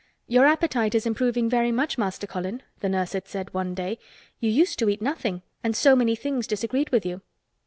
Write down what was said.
"Your appetite. Is improving very much, Master Colin," the nurse had said one day. "You used to eat nothing, and so many things disagreed with you."